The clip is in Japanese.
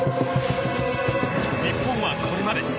日本は、これまで。